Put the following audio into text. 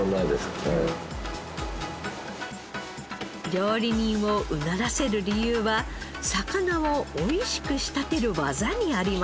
料理人をうならせる理由は魚を美味しく仕立てる技にありました。